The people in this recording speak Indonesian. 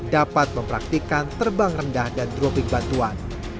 dapat mempraktikan terbang rendah dan dropping bantuan